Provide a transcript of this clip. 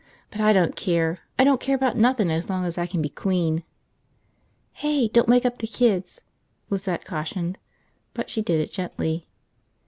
But I don't care! I don't care about nothin' as long as I can be queen!" "Hey, don't wake up the kids," Lizette cautioned, but she did it gently.